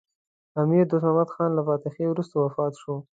امیر دوست محمد خان له فتحې وروسته وفات شو.